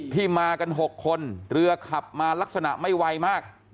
ที่มากัน๖คนเรือขับมาลักษณะไม่ไวมาก